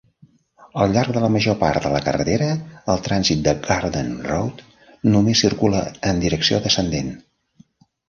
Al llarg de la major part de la carretera, el trànsit de Garden Road només circula en direcció descendent.